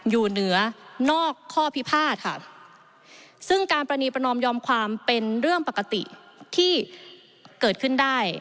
อยู่เหนือนอกข้อพิพาทค่ะซึ่งการปรณีประนอมยอมความเป็นเรื่องปกติที่เกิดขึ้นได้